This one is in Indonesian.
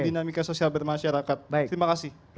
dinamika sosial bermasyarakat baik terima kasih